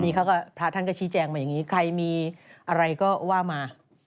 พระท่านก็ชี้แจงมาอย่างนี้ใครมีอะไรก็ว่ามา